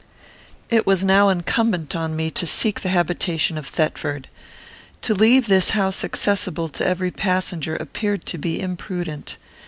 It was now incumbent on me to seek the habitation of Thetford. To leave this house accessible to every passenger appeared to be imprudent.